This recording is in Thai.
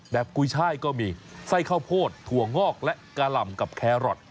กุยช่ายก็มีไส้ข้าวโพดถั่วงอกและกะหล่ำกับแครอท